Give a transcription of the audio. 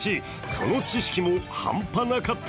その知識も半端なかった。